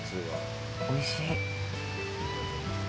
おいしい。